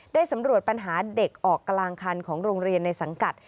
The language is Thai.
สำรวจปัญหาเด็กออกกลางคันของโรงเรียนในสังกัด